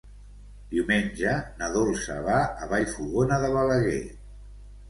Diumenge na Dolça va a Vallfogona de Balaguer.